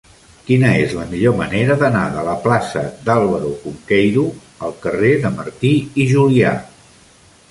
Quina és la millor manera d'anar de la plaça d'Álvaro Cunqueiro al carrer de Martí i Julià?